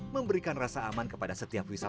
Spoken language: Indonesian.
memberikan rasa aman kepada setiap wisatawan